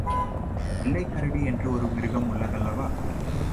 வெள்ளைக் கரடி என்று ஒரு மிருகம் உள்ளதல்லவா?